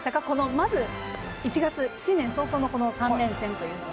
まず１月新年早々の３連戦というのは。